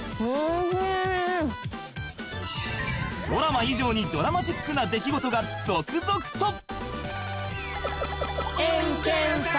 ［ドラマ以上にドラマチックな出来事が続々と］